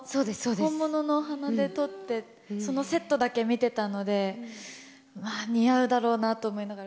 本物のお花で撮って、そのセットだけ見てたので、似合うだろうなと思いながら。